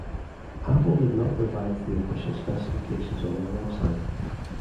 Apple did not revise the official specifications on their web site.